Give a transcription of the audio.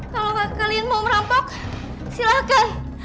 kalau kalian mau merampok silakan